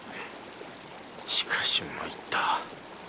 しかしまいった